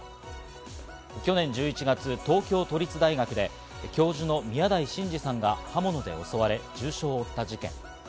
去年１１月、東京都立大学で教授の宮台真司さんが刃物で襲われ、重傷を負った事件。